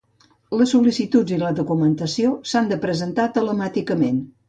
Les sol·licituds i la documentació s'han de presentar telemàticament.